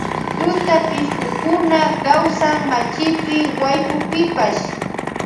Tutapishkukuna kawsan machipi waykupipash.